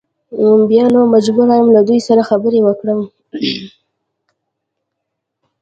بیا نو مجبور یم له دوی سره خبرې وکړم.